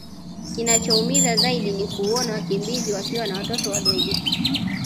Kinachoumiza zaidi ni kuona wakimbizi wakiwa na watoto wadogo